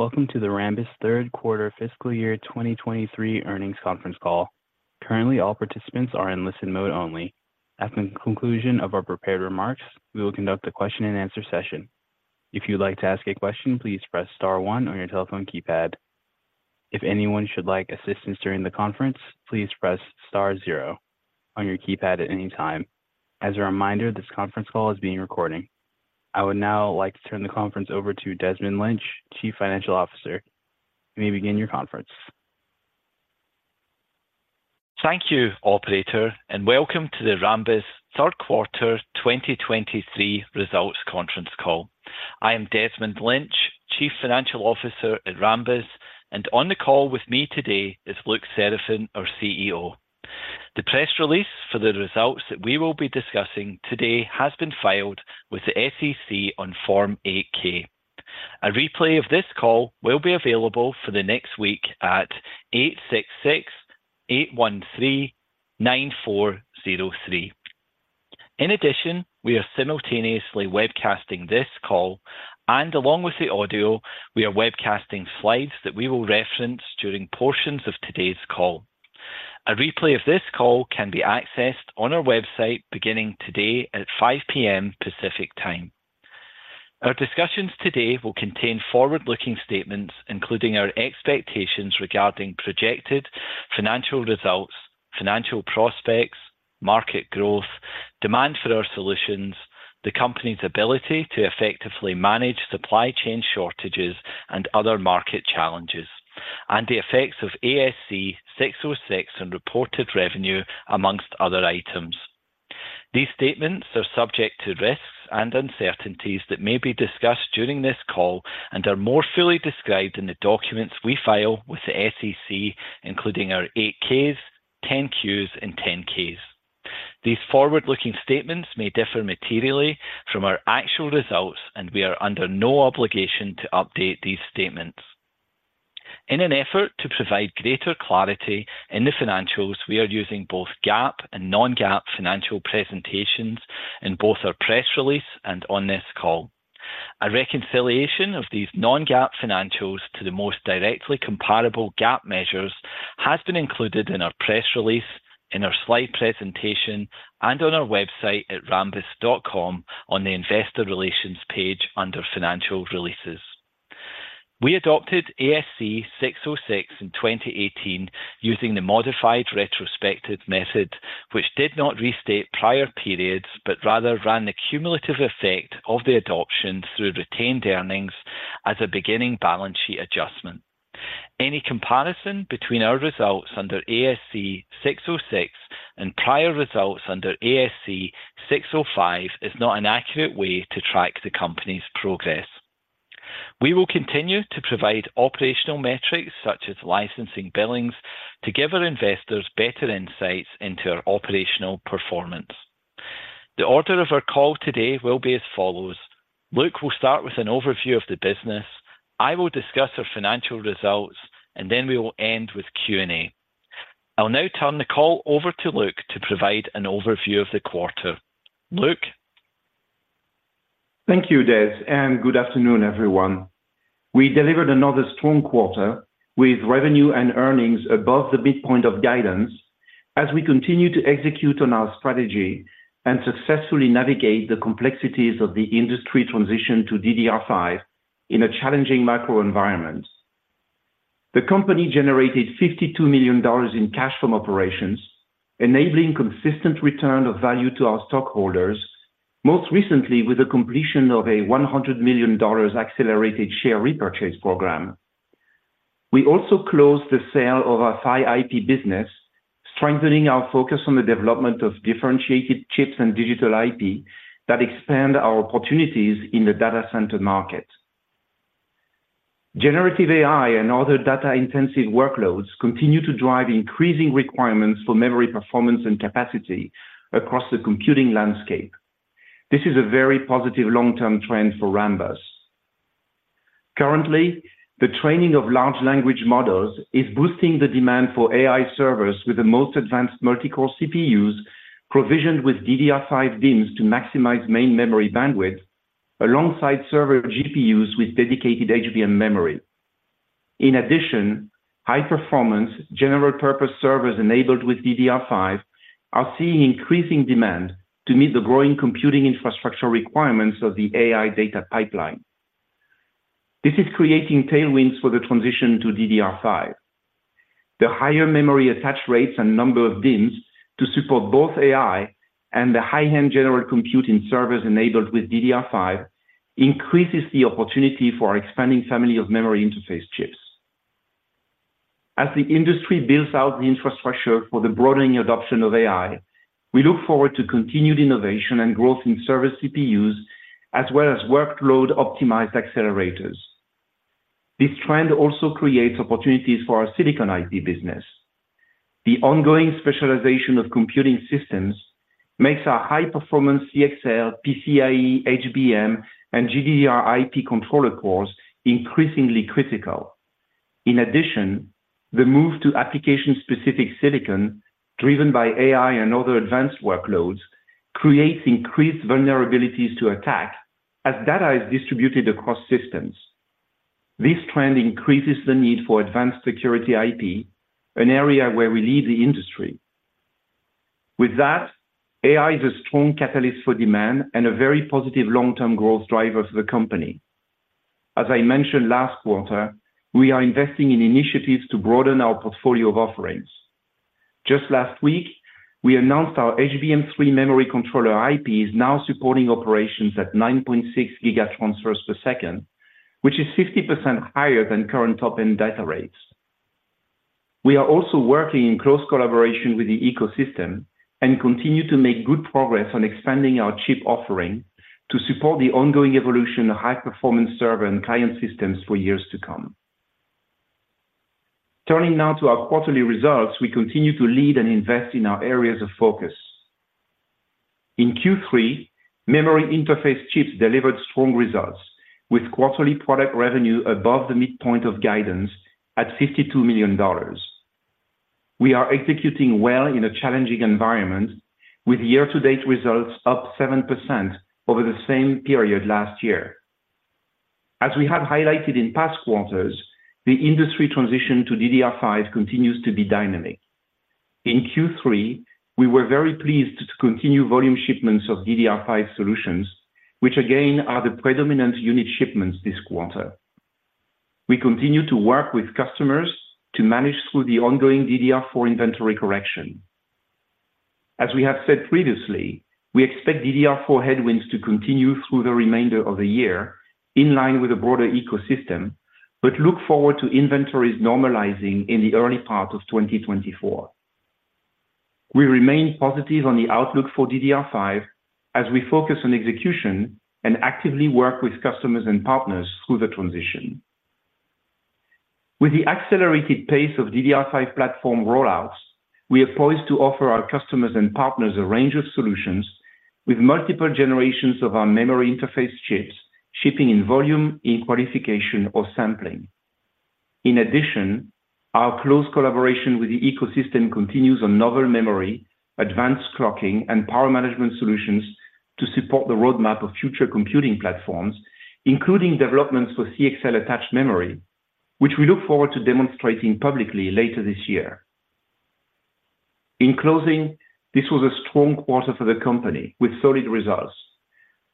Welcome to the Rambus third quarter fiscal year 2023 earnings conference call. Currently, all participants are in listen mode only. At the conclusion of our prepared remarks, we will conduct a question and answer session. If you'd like to ask a question, please press star one on your telephone keypad. If anyone should like assistance during the conference, please press star zero on your keypad at any time. As a reminder, this conference call is being recorded. I would now like to turn the conference over to Desmond Lynch, Chief Financial Officer. You may begin your conference. Thank you, operator, and welcome to the Rambus third quarter 2023 results conference call. I am Desmond Lynch, Chief Financial Officer at Rambus, and on the call with me today is Luc Seraphin, our CEO. The press release for the results that we will be discussing today has been filed with the SEC on Form 8-K. A replay of this call will be available for the next week at 866-813-9403. In addition, we are simultaneously webcasting this call, and along with the audio, we are webcasting slides that we will reference during portions of today's call. A replay of this call can be accessed on our website beginning today at 5 P.M. Pacific Time. Our discussions today will contain forward-looking statements, including our expectations regarding projected financial results, financial prospects, market growth, demand for our solutions, the company's ability to effectively manage supply chain shortages and other market challenges, and the effects of ASC 606 on reported revenue, among other items. These statements are subject to risks and uncertainties that may be discussed during this call and are more fully described in the documents we file with the SEC, including our 8-Ks, 10-Qs, and 10-Ks. These forward-looking statements may differ materially from our actual results, and we are under no obligation to update these statements. In an effort to provide greater clarity in the financials, we are using both GAAP and non-GAAP financial presentations in both our press release and on this call. A reconciliation of these non-GAAP financials to the most directly comparable GAAP measures has been included in our press release, in our slide presentation, and on our website at rambus.com on the Investor Relations page under Financial Releases. We adopted ASC 606 in 2018, using the modified retrospective method, which did not restate prior periods, but rather ran the cumulative effect of the adoption through retained earnings as a beginning balance sheet adjustment. Any comparison between our results under ASC 606 and prior results under ASC 605 is not an accurate way to track the company's progress. We will continue to provide operational metrics such as Licensing Billings to give our investors better insights into our operational performance. The order of our call today will be as follows: Luc will start with an overview of the business, I will discuss our financial results, and then we will end with Q&A. I'll now turn the call over to Luc to provide an overview of the quarter. Luc? Thank you, Des, and good afternoon, everyone. We delivered another strong quarter with revenue and earnings above the midpoint of guidance as we continue to execute on our strategy and successfully navigate the complexities of the industry transition to DDR5 in a challenging macro environment. The company generated $52 million in cash from operations, enabling consistent return of value to our stockholders, most recently with the completion of a $100 million accelerated share repurchase program. We also closed the sale of our PHY IP business, strengthening our focus on the development of differentiated chips and digital IP that expand our opportunities in the data center market. Generative AI and other data-intensive workloads continue to drive increasing requirements for memory, performance, and capacity across the computing landscape. This is a very positive long-term trend for Rambus. Currently, the training of large language models is boosting the demand for AI servers with the most advanced multi-core CPUs, provisioned with DDR5 DIMMs to maximize main memory bandwidth alongside server GPUs with dedicated HBM memory. In addition, high-performance general-purpose servers enabled with DDR5 are seeing increasing demand to meet the growing computing infrastructure requirements of the AI data pipeline. This is creating tailwinds for the transition to DDR5. The higher memory attach rates and number of DIMMs to support both AI and the high-end general computing servers enabled with DDR5 increases the opportunity for our expanding family of memory interface chips. As the industry builds out the infrastructure for the broadening adoption of AI, we look forward to continued innovation and growth in server CPUs, as well as workload-optimized accelerators. This trend also creates opportunities for our silicon IP business. The ongoing specialization of computing systems makes our high-performance CXL, PCIe, HBM, and GDDR IP controller cores increasingly critical. In addition, the move to application-specific silicon, driven by AI and other advanced workloads, creates increased vulnerabilities to attack as data is distributed across systems. This trend increases the need for advanced security IP, an area where we lead the industry. With that, AI is a strong catalyst for demand and a very positive long-term growth driver for the company. As I mentioned last quarter, we are investing in initiatives to broaden our portfolio of offerings. Just last week, we announced our HBM3 memory controller IP is now supporting operations at 9.6 GT/s, which is 50% higher than current top-end data rates. We are also working in close collaboration with the ecosystem and continue to make good progress on expanding our chip offering to support the ongoing evolution of high-performance server and client systems for years to come. Turning now to our quarterly results, we continue to lead and invest in our areas of focus. In Q3, memory interface chips delivered strong results, with quarterly product revenue above the midpoint of guidance at $52 million. We are executing well in a challenging environment, with year-to-date results up 7% over the same period last year. As we have highlighted in past quarters, the industry transition to DDR5 continues to be dynamic. In Q3, we were very pleased to continue volume shipments of DDR5 solutions, which again, are the predominant unit shipments this quarter. We continue to work with customers to manage through the ongoing DDR4 inventory correction. As we have said previously, we expect DDR4 headwinds to continue through the remainder of the year, in line with the broader ecosystem, but look forward to inventories normalizing in the early part of 2024. We remain positive on the outlook for DDR5 as we focus on execution and actively work with customers and partners through the transition. With the accelerated pace of DDR5 platform rollouts, we are poised to offer our customers and partners a range of solutions with multiple generations of our memory interface chips, shipping in volume, in qualification or sampling. In addition, our close collaboration with the ecosystem continues on novel memory, advanced clocking, and power management solutions to support the roadmap of future computing platforms, including developments for CXL-attached memory, which we look forward to demonstrating publicly later this year. In closing, this was a strong quarter for the company with solid results.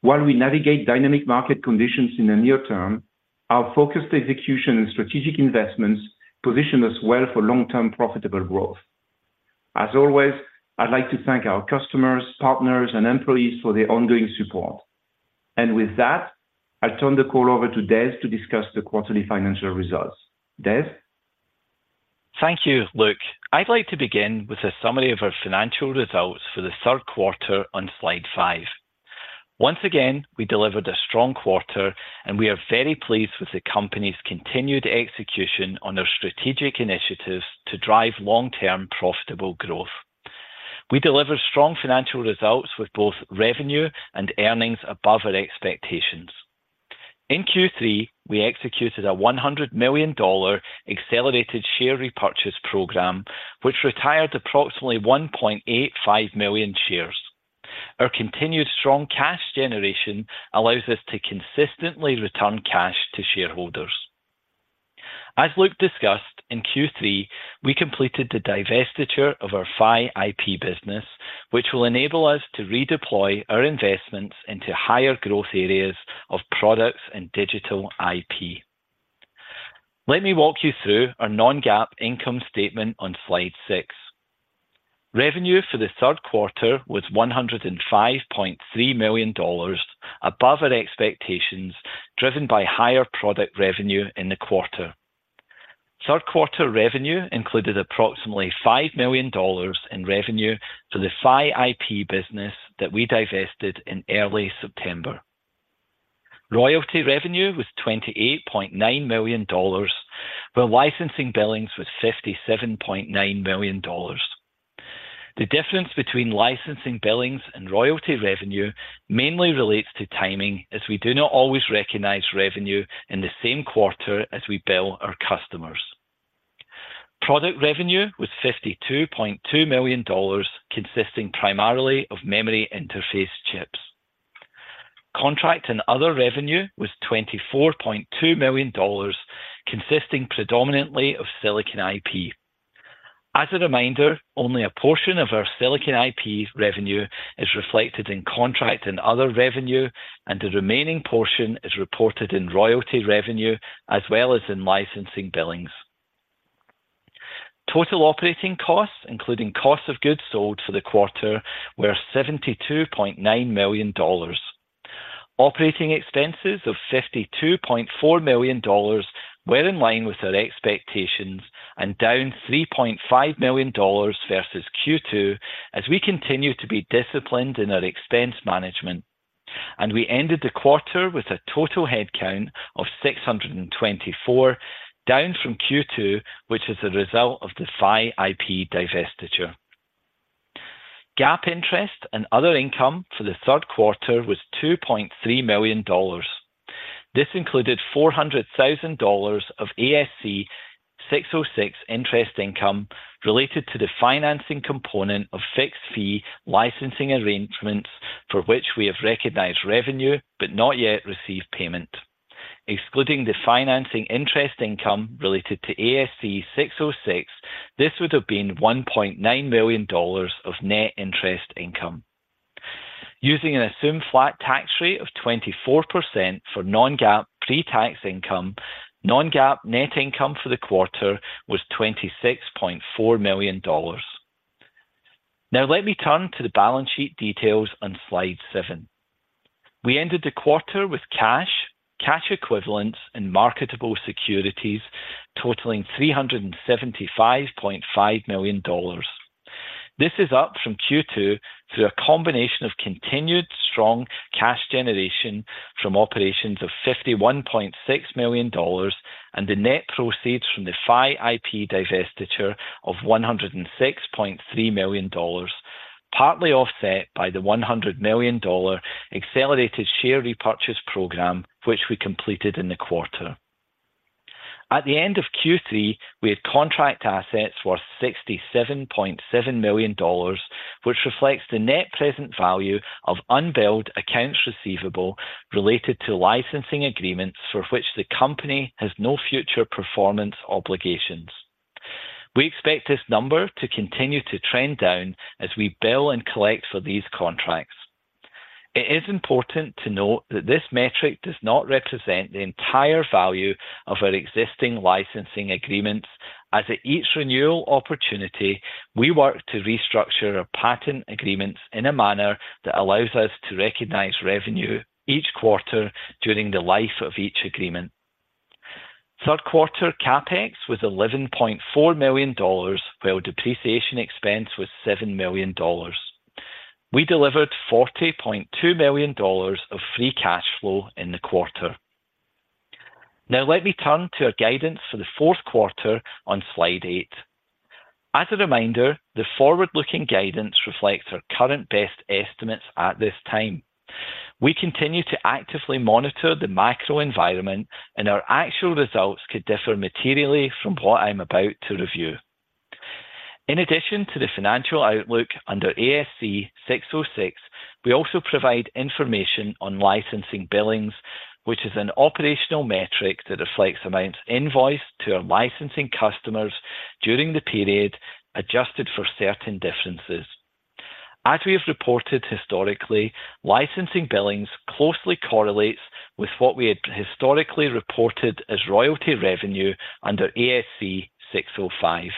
While we navigate dynamic market conditions in the near term, our focused execution and strategic investments position us well for long-term profitable growth. As always, I'd like to thank our customers, partners, and employees for their ongoing support. With that, I'll turn the call over to Des to discuss the quarterly financial results. Des? Thank you, Luc. I'd like to begin with a summary of our financial results for the third quarter on slide five. Once again, we delivered a strong quarter, and we are very pleased with the company's continued execution on our strategic initiatives to drive long-term profitable growth. We delivered strong financial results with both revenue and earnings above our expectations. In Q3, we executed a $100 million accelerated share repurchase program, which retired approximately 1.85 million shares. Our continued strong cash generation allows us to consistently return cash to shareholders. As Luc discussed, in Q3, we completed the divestiture of our PHY IP business, which will enable us to redeploy our investments into higher growth areas of products and digital IP. Let me walk you through our non-GAAP income statement on slide six. Revenue for the third quarter was $105.3 million, above our expectations, driven by higher product revenue in the quarter. Third quarter revenue included approximately $5 million in revenue for the PHY IP business that we divested in early September. Royalty revenue was $28.9 million, while licensing billings was $57.9 million. The difference between licensing billings and royalty revenue mainly relates to timing, as we do not always recognize revenue in the same quarter as we bill our customers. Product revenue was $52.2 million, consisting primarily of memory interface chips. Contract and other revenue was $24.2 million, consisting predominantly of silicon IP. As a reminder, only a portion of our silicon IP revenue is reflected in contract and other revenue, and the remaining portion is reported in royalty revenue, as well as in licensing billings. Total operating costs, including cost of goods sold for the quarter, were $72.9 million. Operating expenses of $52.4 million were in line with our expectations and down $3.5 million versus Q2 as we continue to be disciplined in our expense management. We ended the quarter with a total headcount of 624, down from Q2, which is a result of the PHY IP divestiture. GAAP interest and other income for the third quarter was $2.3 million. This included $400,000 of ASC 606 interest income related to the financing component of fixed fee licensing arrangements for which we have recognized revenue, but not yet received payment. Excluding the financing interest income related to ASC 606, this would have been $1.9 million of net interest income. Using an assumed flat tax rate of 24% for non-GAAP pre-tax income, non-GAAP net income for the quarter was $26.4 million. Now let me turn to the balance sheet details on slide seven. We ended the quarter with cash, cash equivalents, and marketable securities totaling $375.5 million. This is up from Q2 through a combination of continued strong cash generation from operations of $51.6 million and the net proceeds from the PHY IP divestiture of $106.3 million, partly offset by the $100 million accelerated share repurchase program, which we completed in the quarter. At the end of Q3, we had contract assets worth $67.7 million, which reflects the net present value of unbilled accounts receivable related to licensing agreements for which the company has no future performance obligations. We expect this number to continue to trend down as we bill and collect for these contracts. It is important to note that this metric does not represent the entire value of our existing licensing agreements, as at each renewal opportunity, we work to restructure our patent agreements in a manner that allows us to recognize revenue each quarter during the life of each agreement. Third quarter CapEx was $11.4 million, while depreciation expense was $7 million. We delivered $40.2 million of free cash flow in the quarter. Now let me turn to our guidance for the fourth quarter on slide eight. As a reminder, the forward-looking guidance reflects our current best estimates at this time. We continue to actively monitor the macro environment, and our actual results could differ materially from what I'm about to review. In addition to the financial outlook under ASC 606, we also provide information on licensing billings, which is an operational metric that reflects amounts invoiced to our licensing customers during the period, adjusted for certain differences. As we have reported historically, licensing billings closely correlates with what we had historically reported as royalty revenue under ASC 605.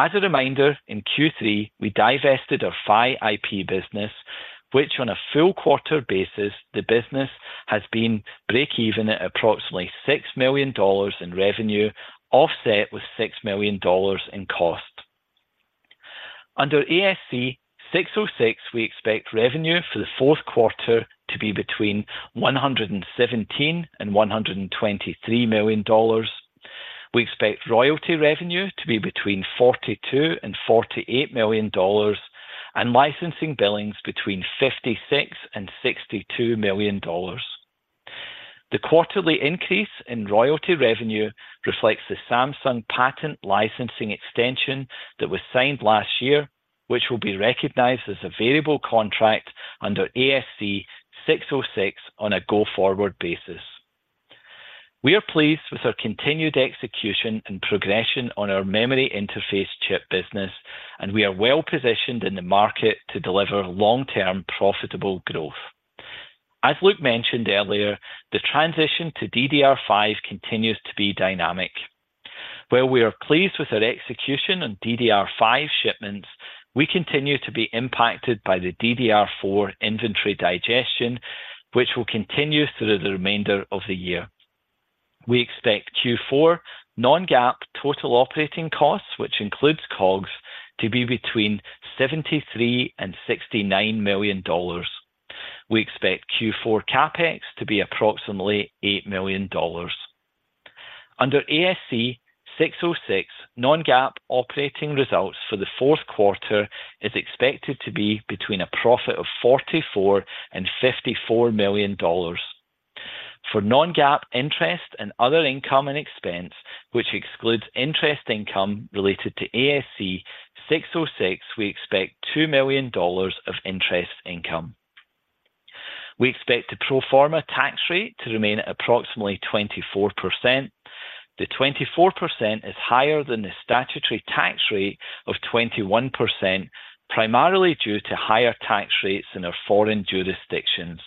As a reminder, in Q3, we divested our PHY IP business, which on a full quarter basis, the business has been breakeven at approximately $6 million in revenue, offset with $6 million in cost. Under ASC 606, we expect revenue for the fourth quarter to be between $117 million and $123 million. We expect royalty revenue to be between $42 million and $48 million and licensing billings between $56 million and $62 million. The quarterly increase in royalty revenue reflects the Samsung patent licensing extension that was signed last year, which will be recognized as a variable contract under ASC 606 on a go-forward basis. We are pleased with our continued execution and progression on our memory interface chip business, and we are well-positioned in the market to deliver long-term profitable growth. As Luc mentioned earlier, the transition to DDR5 continues to be dynamic. While we are pleased with our execution on DDR5 shipments, we continue to be impacted by the DDR4 inventory digestion, which will continue through the remainder of the year. We expect Q4 Non-GAAP total operating costs, which includes COGS, to be between $73 million and $69 million. We expect Q4 CapEx to be approximately $8 million. Under ASC 606, non-GAAP operating results for the fourth quarter is expected to be between a profit of $44 million-$54 million. For non-GAAP interest and other income and expense, which excludes interest income related to ASC 606, we expect $2 million of interest income. We expect the pro forma tax rate to remain at approximately 24%. The 24% is higher than the statutory tax rate of 21%, primarily due to higher tax rates in our foreign jurisdictions.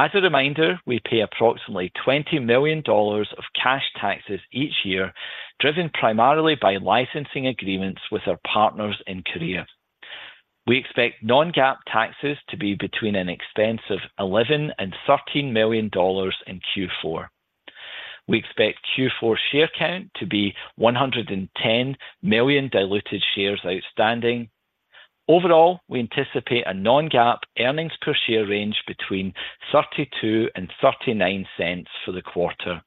As a reminder, we pay approximately $20 million of cash taxes each year, driven primarily by licensing agreements with our partners in Korea. We expect non-GAAP taxes to be between an expense of $11 million-$13 million in Q4. We expect Q4 share count to be 110 million diluted shares outstanding. Overall, we anticipate a non-GAAP earnings per share range between $0.32 and $0.39 for the quarter.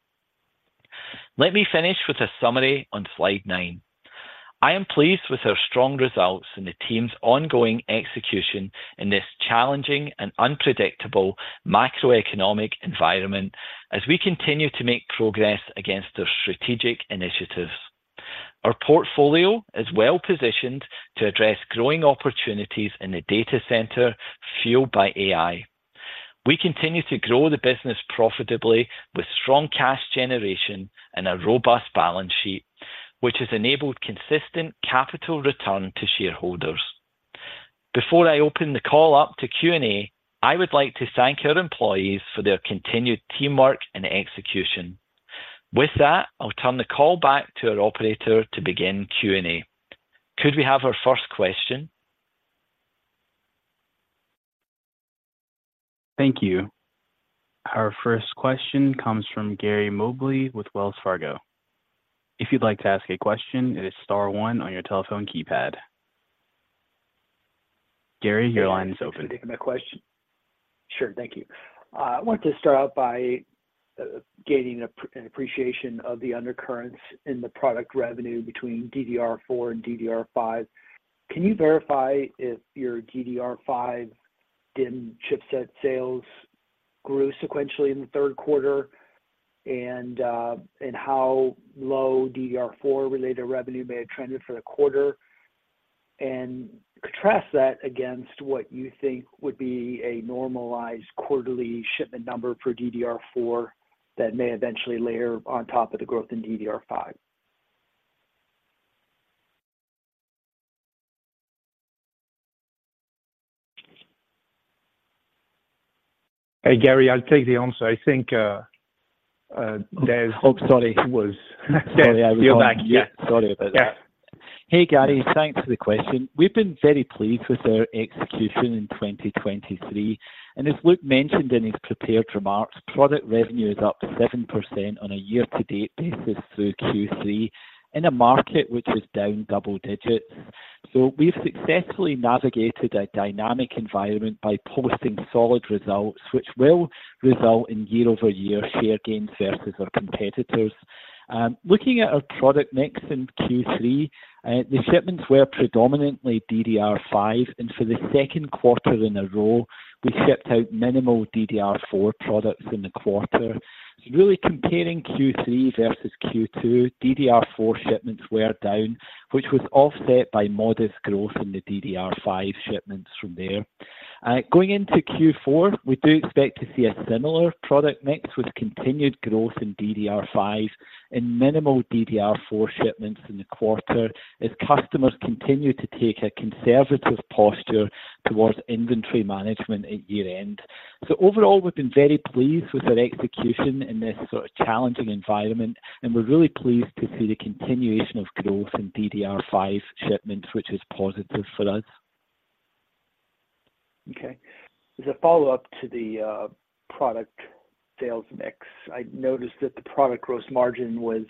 Let me finish with a summary on slide nine. I am pleased with our strong results and the team's ongoing execution in this challenging and unpredictable macroeconomic environment, as we continue to make progress against our strategic initiatives. Our portfolio is well positioned to address growing opportunities in the data center fueled by AI. We continue to grow the business profitably with strong cash generation and a robust balance sheet, which has enabled consistent capital return to shareholders. Before I open the call up to Q&A, I would like to thank our employees for their continued teamwork and execution. With that, I'll turn the call back to our operator to begin Q&A. Could we have our first question? Thank you. Our first question comes from Gary Mobley with Wells Fargo. If you'd like to ask a question, it is star one on your telephone keypad. Gary, your line is open. Thank you for my question. Sure. Thank you. I want to start out by gaining an appreciation of the undercurrents in the product revenue between DDR4 and DDR5. Can you verify if your DDR5 DIMM chipset sales grew sequentially in the third quarter, and how low DDR4-related revenue may have trended for the quarter? And contrast that against what you think would be a normalized quarterly shipment number for DDR4 that may eventually layer on top of the growth in DDR5. Hey, Gary, I'll take the answer. Sorry about that. Hey, Gary, thanks for the question. We've been very pleased with our execution in 2023, and as Luc mentioned in his prepared remarks, product revenue is up 7% on a year-to-date basis through Q3, in a market which is down double digits. So we've successfully navigated a dynamic environment by posting solid results, which will result in year-over-year share gains versus our competitors. Looking at our product mix in Q3, the shipments were predominantly DDR5, and for the second quarter in a row, we shipped out minimal DDR4 products in the quarter. Really comparing Q3 versus Q2, DDR4 shipments were down, which was offset by modest growth in the DDR5 shipments from there. Going into Q4, we do expect to see a similar product mix, with continued growth in DDR5 and minimal DDR4 shipments in the quarter, as customers continue to take a conservative posture towards inventory management at year-end. So overall, we've been very pleased with our execution in this sort of challenging environment, and we're really pleased to see the continuation of growth in DDR5 shipments, which is positive for us. Okay. As a follow-up to the product sales mix, I noticed that the product gross margin was,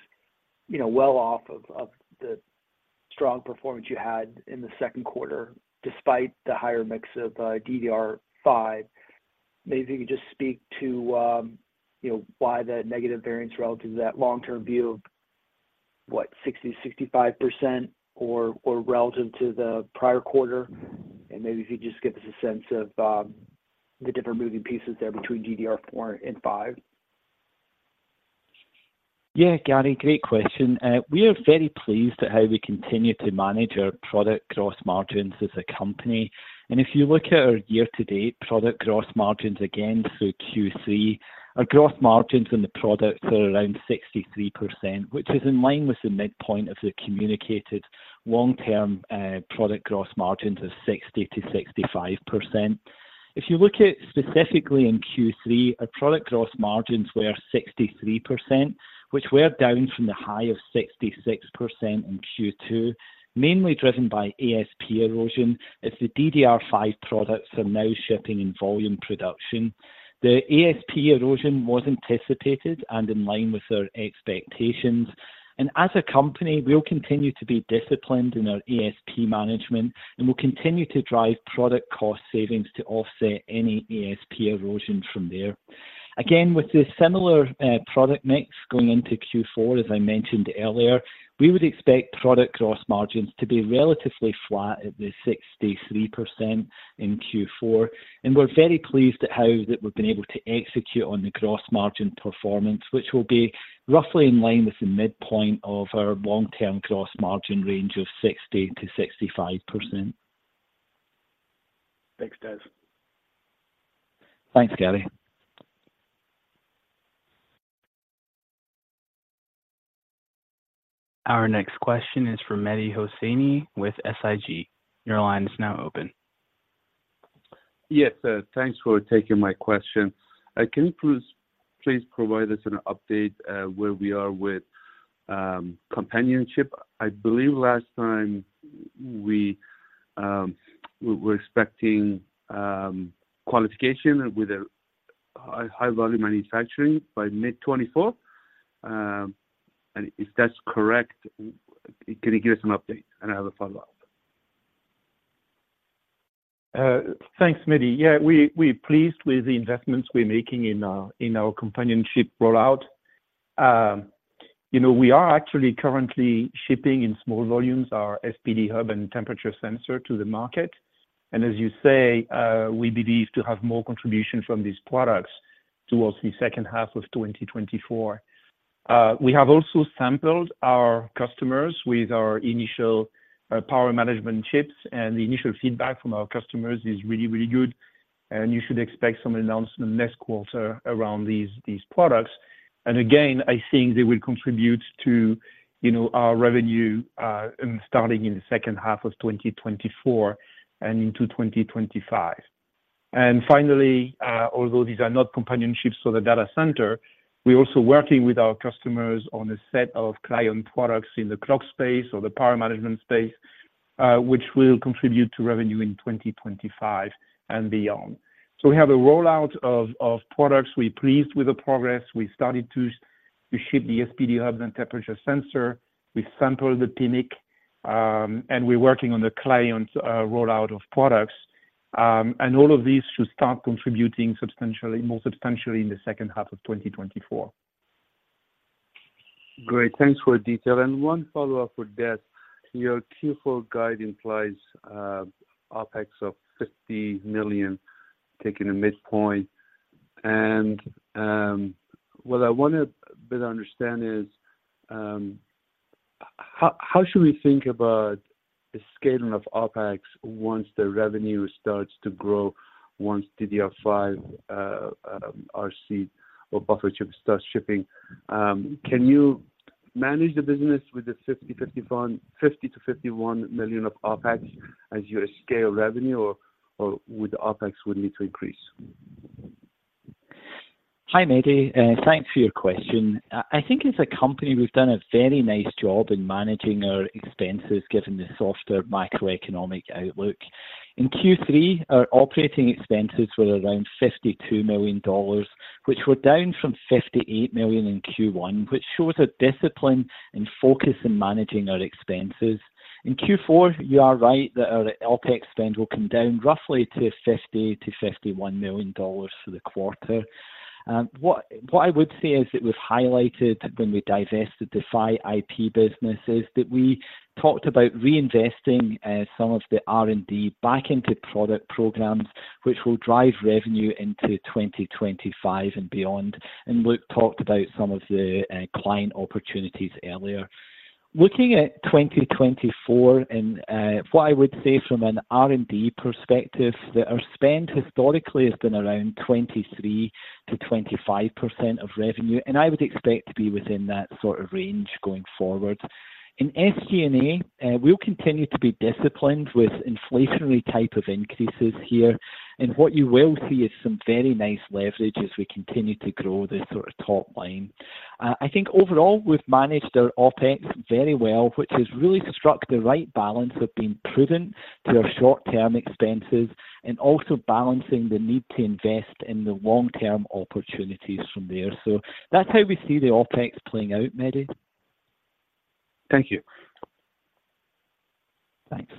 you know, well off of the strong performance you had in the second quarter, despite the higher mix of DDR5. Maybe you could just speak to, you know, why the negative variance relative to that long-term view of, what, 60%-65% or relative to the prior quarter? And maybe if you could just give us a sense of the different moving pieces there between DDR4 and five. Yeah, Gary, great question. We are very pleased at how we continue to manage our product gross margins as a company. And if you look at our year-to-date product gross margins again through Q3, our gross margins on the products are around 63%, which is in line with the midpoint of the communicated long-term product gross margins of 60%-65%. If you look at specifically in Q3, our product gross margins were 63%, which were down from the high of 66% in Q2, mainly driven by ASP erosion, as the DDR5 products are now shipping in volume production. The ASP erosion was anticipated and in line with our expectations. And as a company, we'll continue to be disciplined in our ASP management, and we'll continue to drive product cost savings to offset any ASP erosion from there. Again, with this similar product mix going into Q4, as I mentioned earlier, we would expect product gross margins to be relatively flat at the 63% in Q4, and we're very pleased at how that we've been able to execute on the gross margin performance, which will be roughly in line with the midpoint of our long-term gross margin range of 60%-65%. Thanks, Des. Thanks, Gary. Our next question is from Mehdi Hosseini with SIG. Your line is now open. Yes, thanks for taking my question. Can you please, please provide us an update where we are with companion chip? I believe last time we were expecting qualification with a high, high volume manufacturing by mid-2024, and if that's correct, can you give us an update? And I have a follow-up. Thanks, Mehdi. Yeah, we, we're pleased with the investments we're making in our companion chip rollout. You know, we are actually currently shipping in small volumes our SPD Hub and temperature sensor to the market. And as you say, we believe to have more contribution from these products towards the second half of 2024. We have also sampled our customers with our initial power management chips, and the initial feedback from our customers is really, really good. And you should expect some announcement next quarter around these products. And again, I think they will contribute to, you know, our revenue starting in the second half of 2024 and into 2025. Finally, although these are not companion chips to the data center, we're also working with our customers on a set of client products in the clock space or the power management space, which will contribute to revenue in 2025 and beyond. So we have a rollout of products. We're pleased with the progress. We started to ship the SPD Hub and temperature sensor. We sampled the PMIC, and we're working on the client rollout of products. And all of these should start contributing substantially, more substantially in the second half of 2024. Great. Thanks for the detail. And one follow-up with that. Your Q4 guide implies OpEx of $50 million, taking a midpoint. And what I want to better understand is how should we think about the scaling of OpEx once the revenue starts to grow, once DDR5 RC or buffer chip starts shipping? Can you manage the business with the $50 million-$51 million of OpEx as you scale revenue, or would the OpEx need to increase? Hi, Mehdi, thanks for your question. I think as a company, we've done a very nice job in managing our expenses, given the softer macroeconomic outlook. In Q3, our operating expenses were around $52 million, which were down from $58 million in Q1, which shows a discipline and focus in managing our expenses. In Q4, you are right that our OpEx spend will come down roughly to $50 million-$51 million for the quarter. What I would say is, it was highlighted when we divested the PHY IP businesses, that we talked about reinvesting some of the R&D back into product programs, which will drive revenue into 2025 and beyond. Luc talked about some of the client opportunities earlier. Looking at 2024 and, what I would say from an R&D perspective, that our spend historically has been around 23%-25% of revenue, and I would expect to be within that sort of range going forward. In SG&A, we'll continue to be disciplined with inflationary type of increases here, and what you will see is some very nice leverage as we continue to grow this sort of top line. I think overall, we've managed our OpEx very well, which has really struck the right balance of being prudent to our short-term expenses and also balancing the need to invest in the long-term opportunities from there. So that's how we see the OpEx playing out, Mehdi. Thank you. Thanks.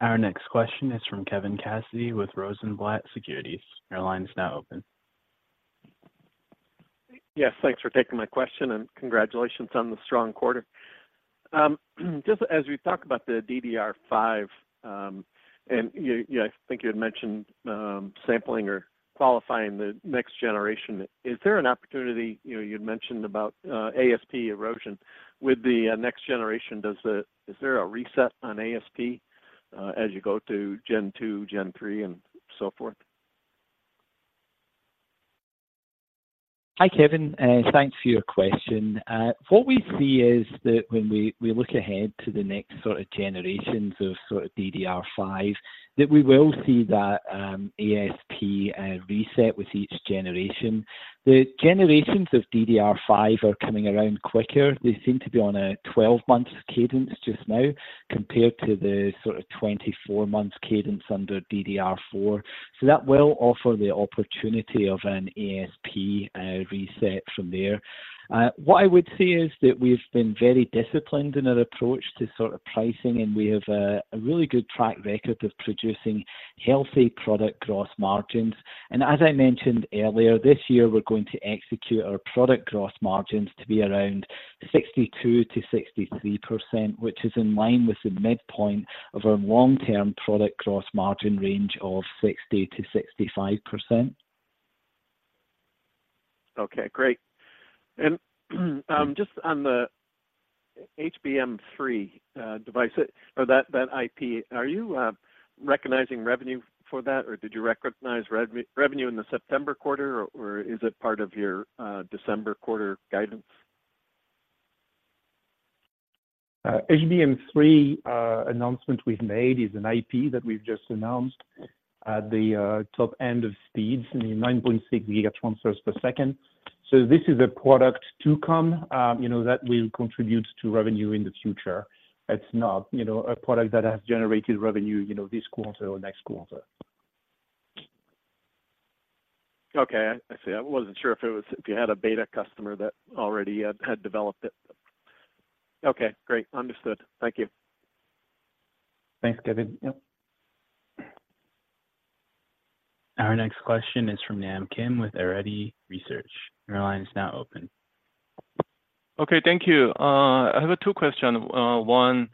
Our next question is from Kevin Cassidy with Rosenblatt Securities. Your line is now open. Yes, thanks for taking my question, and congratulations on the strong quarter. Just as we talk about the DDR5, and you, you, I think you had mentioned, sampling or qualifying the next generation. Is there an opportunity? You know, you'd mentioned about, ASP erosion. With the, next generation, does the, is there a reset on ASP, as you go to gen two, gen three, and so forth? Hi, Kevin, thanks for your question. What we see is that when we look ahead to the next sort of generations of sort of DDR5, that we will see that ASP reset with each generation. The generations of DDR5 are coming around quicker. They seem to be on a 12-month cadence just now, compared to the sort of 24 months cadence under DDR4. So that will offer the opportunity of an ASP reset from there. What I would say is that we've been very disciplined in our approach to sort of pricing, and we have a really good track record of producing healthy product gross margins. As I mentioned earlier, this year, we're going to execute our product gross margins to be around 62%-63%, which is in line with the midpoint of our long-term product gross margin range of 60%-65%. Okay, great. And just on the HBM3 device or that IP, are you recognizing revenue for that, or did you recognize revenue in the September quarter, or is it part of your December quarter guidance? HBM3 announcement we've made is an IP that we've just announced at the top end of speeds, 9.6 GT/s. So this is a product to come, you know, that will contribute to revenue in the future. It's not, you know, a product that has generated revenue, you know, this quarter or next quarter. Okay, I see. I wasn't sure if it was, if you had a beta customer that already had developed it. Okay, great. Understood. Thank you. Thanks, Kevin. Yep. Our next question is from Nam Kim with Arete Research. Your line is now open. Okay, thank you. I have two questions. One,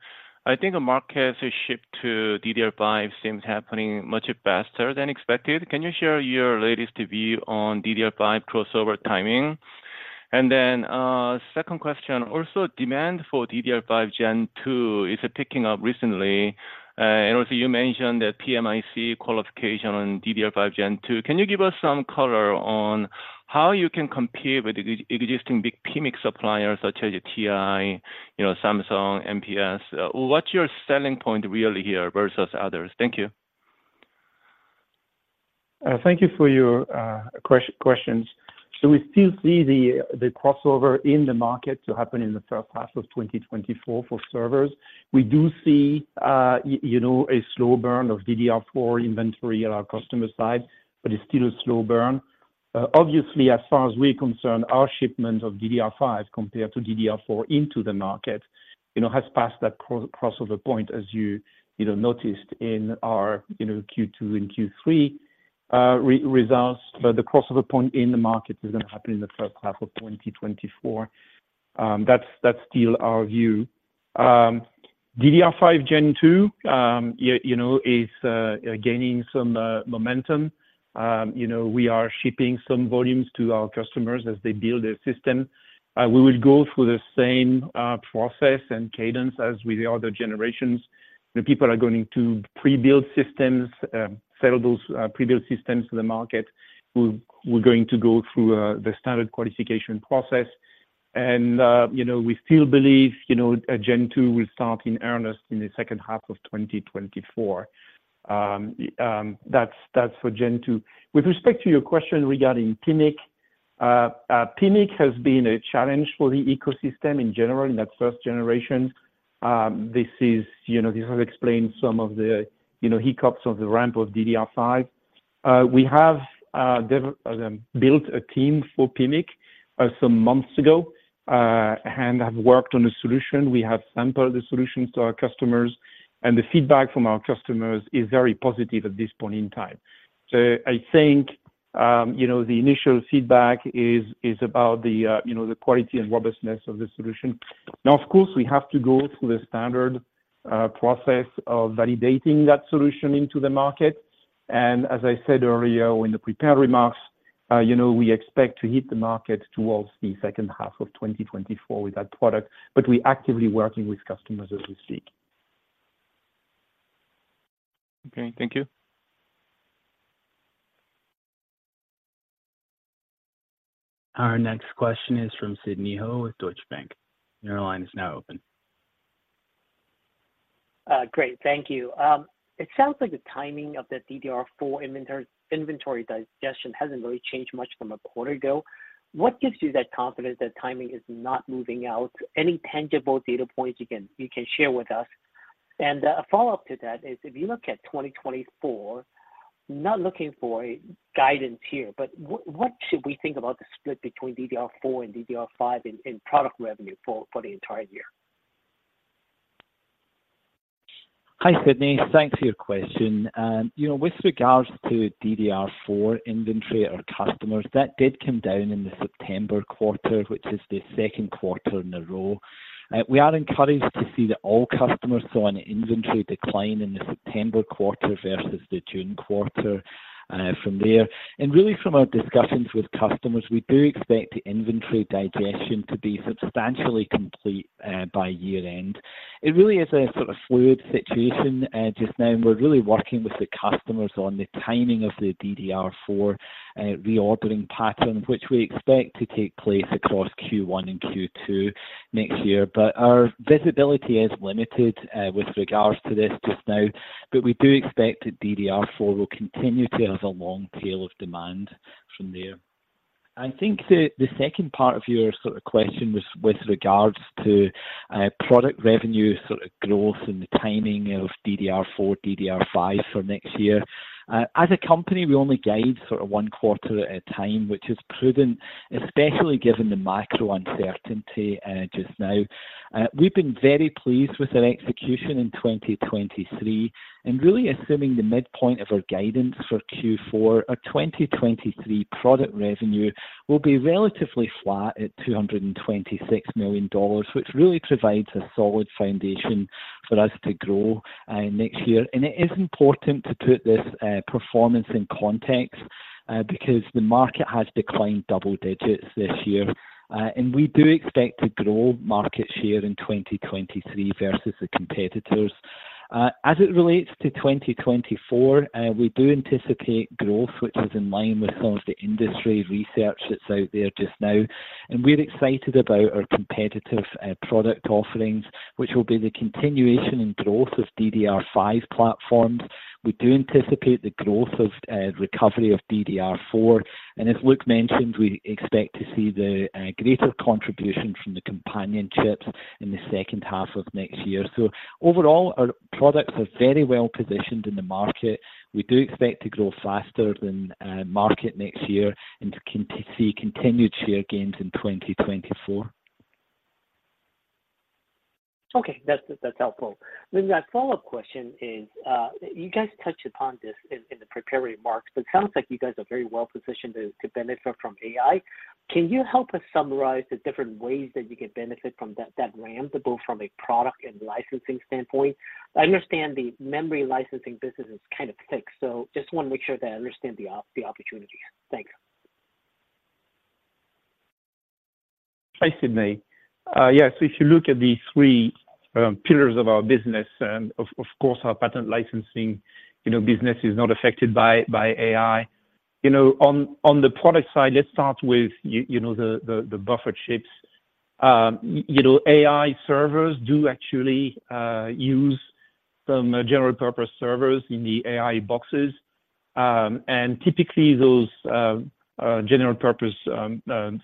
I think the market has shipped to DDR5 seems happening much faster than expected. Can you share your latest view on DDR5 crossover timing? And then, second question: also, demand for DDR5 Gen 2 is picking up recently. And also you mentioned that PMIC qualification on DDR5 Gen 2. Can you give us some color on how you can compete with existing big PMIC suppliers such as TI, you know, Samsung, MPS? What's your selling point really here versus others? Thank you. Thank you for your questions. So we still see the crossover in the market to happen in the first half of 2024 for servers. We do see, you know, a slow burn of DDR4 inventory at our customer side, but it's still a slow burn. Obviously, as far as we're concerned, our shipments of DDR5 compared to DDR4 into the market, you know, has passed that crossover point, as you, you know, noticed in our, you know, Q2 and Q3, results. But the crossover point in the market is going to happen in the first half of 2024. That's still our view. DDR5 Gen 2, yeah, you know, is gaining some momentum. You know, we are shipping some volumes to our customers as they build their system. We will go through the same process and cadence as with the other generations. The people are going to pre-build systems, sell those pre-built systems to the market. We're going to go through the standard qualification process and, you know, we still believe, you know, a Gen 2 will start in earnest in the second half of 2024. That's for Gen 2. With respect to your question regarding PMIC, PMIC has been a challenge for the ecosystem in general in that first generation. This is, you know, this has explained some of the, you know, hiccups of the ramp of DDR5. We have built a team for PMIC some months ago and have worked on a solution. We have sampled the solutions to our customers, and the feedback from our customers is very positive at this point in time. So I think, you know, the initial feedback is about the, you know, the quality and robustness of the solution. Now, of course, we have to go through the standard process of validating that solution into the market, and as I said earlier in the prepared remarks, you know, we expect to hit the market towards the second half of 2024 with that product, but we're actively working with customers as we speak. Okay, thank you. Our next question is from Sidney Ho with Deutsche Bank. Your line is now open. Great, thank you. It sounds like the timing of the DDR4 inventory digestion hasn't really changed much from a quarter ago. What gives you that confidence that timing is not moving out? Any tangible data points you can share with us? And a follow-up to that is: if you look at 2024, not looking for guidance here, but what should we think about the split between DDR4 and DDR5 in product revenue for the entire year? Hi, Sidney. Thanks for your question. You know, with regards to DDR4 inventory, our customers, that did come down in the September quarter, which is the second quarter in a row. We are encouraged to see that all customers saw an inventory decline in the September quarter versus the June quarter, from there. And really, from our discussions with customers, we do expect the inventory digestion to be substantially complete, by year-end. It really is a sort of fluid situation, just now, and we're really working with the customers on the timing of the DDR4, reordering pattern, which we expect to take place across Q1 and Q2 next year. But our visibility is limited, with regards to this just now, but we do expect that DDR4 will continue to have a long tail of demand from there. I think the second part of your sort of question was with regards to product revenue, sort of growth and the timing of DDR4, DDR5 for next year. As a company, we only guide sort of one quarter at a time, which is prudent, especially given the macro uncertainty just now. We've been very pleased with our execution in 2023, and really assuming the midpoint of our guidance for Q4, our 2023 product revenue will be relatively flat at $226 million, which really provides a solid foundation for us to grow next year. It is important to put this performance in context, because the market has declined double digits this year, and we do expect to grow market share in 2023 versus the competitors. As it relates to 2024, we do anticipate growth, which is in line with some of the industry research that's out there just now. We're excited about our competitive product offerings, which will be the continuation in growth of DDR5 platforms. We do anticipate the growth of recovery of DDR4, and as Luc mentioned, we expect to see the greater contribution from the companion chips in the second half of next year. Overall, our products are very well positioned in the market. We do expect to grow faster than market next year and to continue to see continued share gains in 2024. Okay, that's, that's helpful. Then my follow-up question is, you guys touched upon this in, in the prepared remarks, but it sounds like you guys are very well positioned to, to benefit from AI. Can you help us summarize the different ways that you can benefit from that, that ramp, both from a product and licensing standpoint? I understand the memory licensing business is kind of thick, so just want to make sure that I understand the opportunity. Thanks. Hi, Sidney. Yes, if you look at the three pillars of our business, and of course, our patent licensing, you know, business is not affected by AI. You know, on the product side, let's start with you know, the buffered chips. You know, AI servers do actually use some general purpose servers in the AI boxes. And typically, those general purpose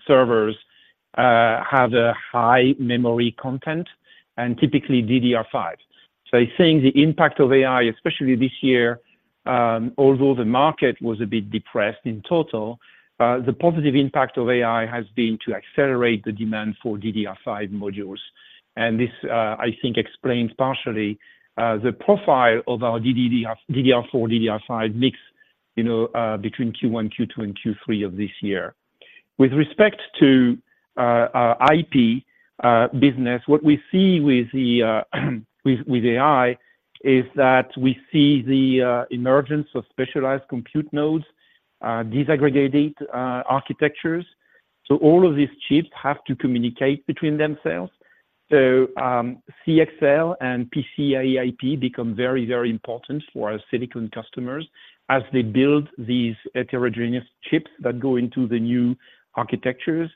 servers have a high memory content, and typically, DDR5. So I think the impact of AI, especially this year, although the market was a bit depressed in total, the positive impact of AI has been to accelerate the demand for DDR5 modules. And this, I think, explains partially the profile of our DDR4, DDR5 mix, you know, between Q1, Q2, and Q3 of this year. With respect to our IP business, what we see with AI is that we see the emergence of specialized compute nodes, disaggregated architectures. So all of these chips have to communicate between themselves. So CXL and PCIe IP become very, very important for our silicon customers as they build these heterogeneous chips that go into the new architectures.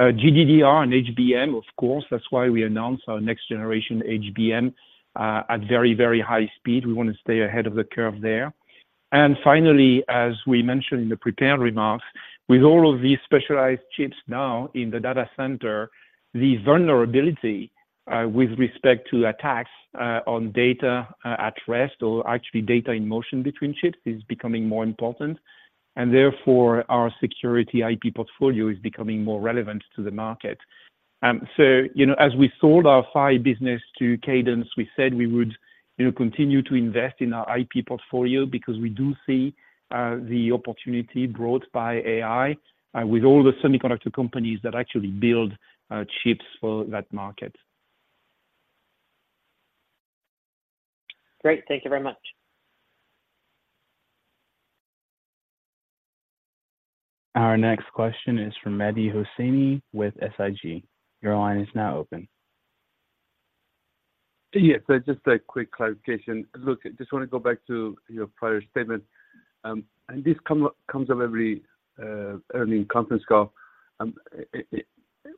GDDR and HBM, of course, that's why we announced our next generation HBM at very, very high speed. We want to stay ahead of the curve there. Finally, as we mentioned in the prepared remarks, with all of these specialized chips now in the data center, the vulnerability, with respect to attacks, on data, at rest, or actually data in motion between chips, is becoming more important, and therefore, our security IP portfolio is becoming more relevant to the market. You know, as we sold our PHY business to Cadence, we said we would, you know, continue to invest in our IP portfolio because we do see, the opportunity brought by AI, with all the semiconductor companies that actually build, chips for that market. Great. Thank you very much. Our next question is from Mehdi Hosseini with SIG. Your line is now open. Yes, just a quick clarification. Look, I just want to go back to your prior statement, and this comes up every earnings conference call.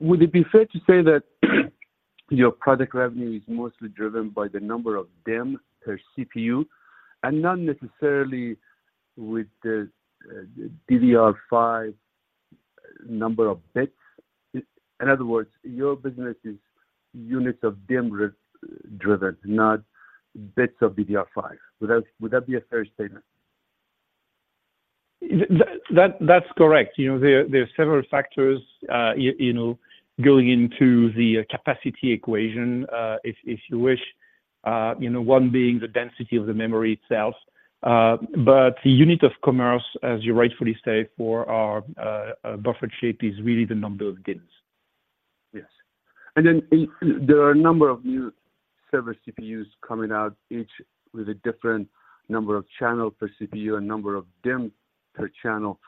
Would it be fair to say that your product revenue is mostly driven by the number of DIMM per CPU, and not necessarily with the DDR5 number of bits? In other words, your business is units of DIMM driven, not bits of DDR5. Would that be a fair statement? That, that's correct. You know, there are several factors, you know, going into the capacity equation, if you wish, you know, one being the density of the memory itself. But the unit of commerce, as you rightfully say, for our buffered DIMM, is really the number of DIMMs. Yes. And then there are a number of new server CPUs coming out, each with a different number of channel per CPU and number of DIMM per channel.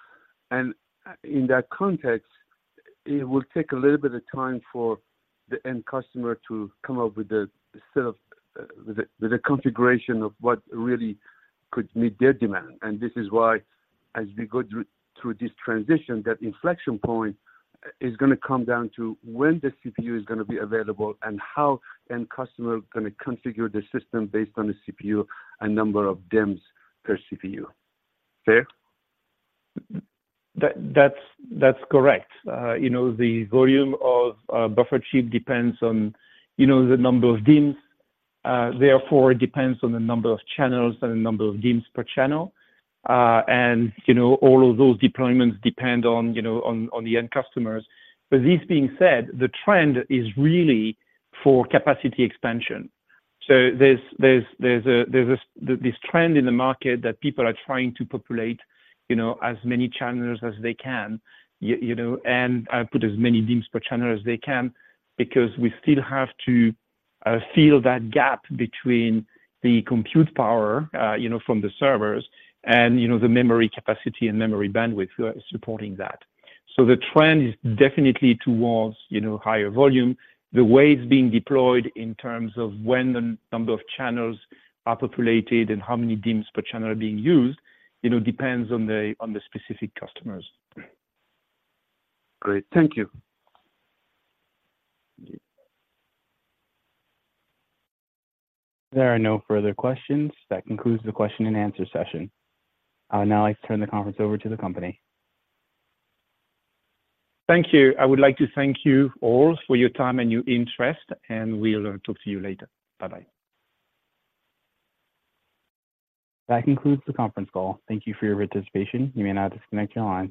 And in that context, it will take a little bit of time for the end customer to come up with a set of, with a, with a configuration of what really could meet their demand. And this is why, as we go through this transition, that inflection point is gonna come down to when the CPU is gonna be available and how end customer gonna configure the system based on the CPU and number of DIMMs per CPU. Fair? That, that's correct. You know, the volume of buffered chip depends on, you know, the number of DIMMs, therefore, it depends on the number of channels and the number of DIMMs per channel. And, you know, all of those deployments depend on the end customers. But this being said, the trend is really for capacity expansion. So there's this trend in the market that people are trying to populate, you know, as many channels as they can, you know, and put as many DIMMs per channel as they can, because we still have to fill that gap between the compute power, you know, from the servers and, you know, the memory capacity and memory bandwidth supporting that. So the trend is definitely towards, you know, higher volume. The way it's being deployed in terms of when the number of channels are populated and how many DIMMs per channel are being used, you know, depends on the specific customers. Great. Thank you. Yeah. There are no further questions. That concludes the question and answer session. Now, I turn the conference over to the company. Thank you. I would like to thank you all for your time and your interest, and we'll talk to you later. Bye-bye. That concludes the conference call. Thank you for your participation. You may now disconnect your lines.